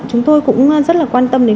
chúng tôi cũng rất là quan tâm đến